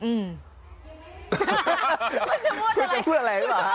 อืมคุณจะพูดอะไรคุณจะพูดอะไร